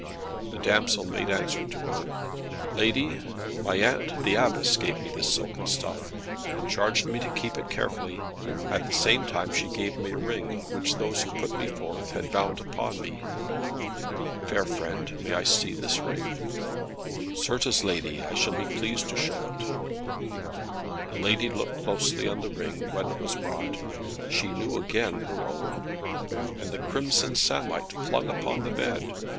The damsel made answer to her: "Lady, my aunt, the Abbess, gave me this silken stuff, and charged me to keep it carefully. At the same time she gave me a ring, which those who put me forth, had bound upon me." "Fair friend, may I see this ring?" "Certes, lady, I shall be pleased to show it." The lady looked closely on the ring, when it was brought. She knew again her own, and the crimson samite flung upon the bed.